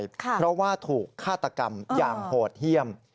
เพราะว่าถูกฆาตกรรมอย่างโหดเยี่ยม